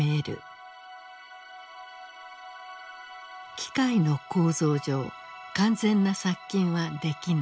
「機械の構造上完全な殺菌はできない」。